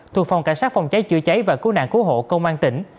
thuộc phòng cảnh sát phòng cháy chữa cháy và cứu nạn cứu hộ công an tỉnh